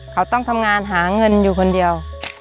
เขาต้องทำงานหาเงินอยู่คนเดียว